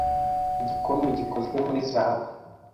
Igikombe gikozwe muri zahabu.